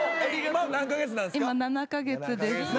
今７カ月です。